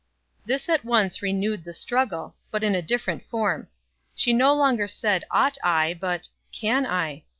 This at once renewed the struggle, but in a different form. She no longer said, "Ought I?" but, "Can I?"